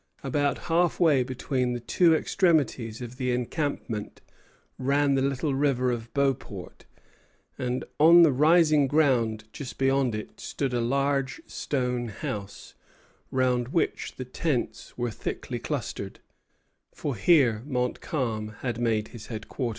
About midway between the two extremities of the encampment ran the little river of Beauport; and on the rising ground just beyond it stood a large stone house, round which the tents were thickly clustered; for here Montcalm had made his headquarters.